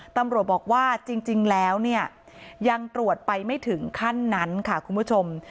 ตำรวจบอกว่าจริงแล้วเนี่ยยังตรวจไปไม่ถึงขั้นนั้นค่ะคุณผู้ชม